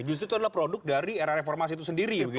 justru itu adalah produk dari era reformasi itu sendiri